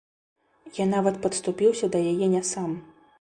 Я нават падступіўся да яе не сам.